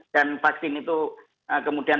dan vaksin itu kemudian